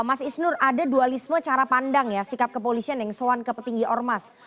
mas isnur ada dualisme cara pandang ya sikap kepolisian yang soan ke petinggi ormas